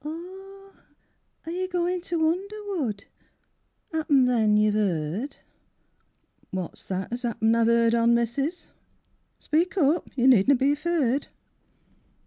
Oh are you goin' to Underwood? 'Appen then you've 'eered? What's that as 'appen I've 'eered on, Missis, Speak up, you nedna be feared.